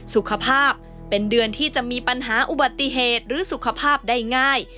สุขภาพเป็นเดือนที่จะมีปัญหาอุบัติเหตุหรือสุขภาพได้ง่าย